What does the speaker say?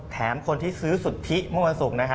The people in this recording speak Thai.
แถมคนที่ซื้อสุทธิเมื่อวันสุก